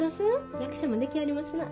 役者もできはりますなあ。